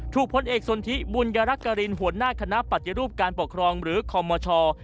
ถูกพ้นเอกสนทิบุญรกริณหัวหน้าคณะปัจจิรูปการปกครองหรือคอมเมอร์ชอร์